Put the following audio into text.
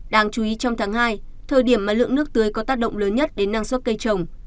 đáng chú ý trong tháng hai thời điểm mà lượng nước tưới có tác động lớn nhất đến năng suất cây trồng